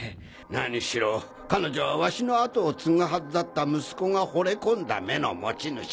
何しろ彼女はワシの跡を継ぐはずだった息子が惚れ込んだ目の持ち主。